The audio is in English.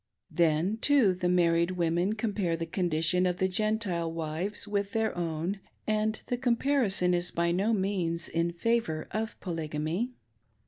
Then, too, the marrifed women compare the condition of the Gentile wives with their own, and the cornparison is by no means in favor of Polygamy.